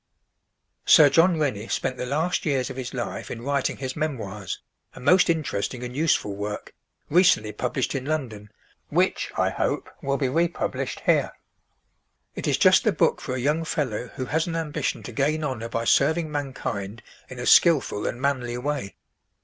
Sir John Rennie spent the last years of his life in writing his Memoirs, a most interesting and useful work, recently published in London, which, I hope, will be republished here. It is just the book for a young fellow who has an ambition to gain honor by serving mankind in a skillful and manly way.